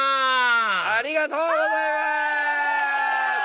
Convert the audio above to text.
ありがとうございます。